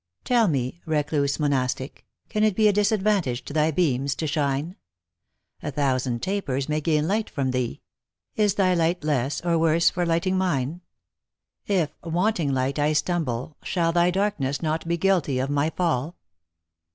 Tell me, recluse Monastic, can it be A disadvantage to thy beams to shine ? A thousand tapers may gain light from thee : Is thy light less or worse for lighting mine? If, wanting light, I stumble, shall Thy darkness not be guilty of my fall?